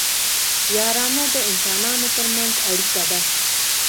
یارانه د انسانانو ترمنځ اړیکه ده